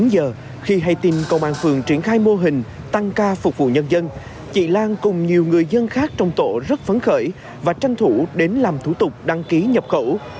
bốn giờ khi hay tin công an phường triển khai mô hình tăng ca phục vụ nhân dân chị lan cùng nhiều người dân khác trong tổ rất phấn khởi và tranh thủ đến làm thủ tục đăng ký nhập khẩu